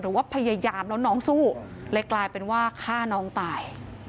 หรือว่าพยายามแล้วน้องสู้เลยกลายเป็นว่าฆ่าน้องตาย